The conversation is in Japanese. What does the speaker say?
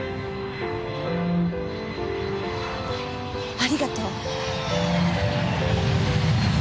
ありがとう。